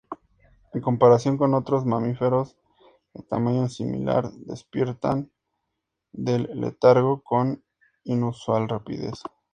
En comparación con otros mamíferos de tamaño similar, despiertan del letargo con inusual rapidez.